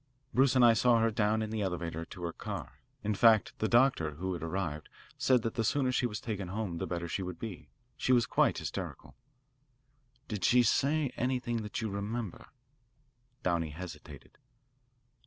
"Bruce and I saw her down in the elevator to her car. In fact, the doctor, who had arrived; said that the sooner she was taken home the better she would be. She was quite hysterical." "Did she say anything that you remember?" Downey hesitated.